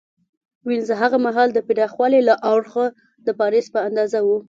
وینز هغه مهال د پراخوالي له اړخه د پاریس په اندازه و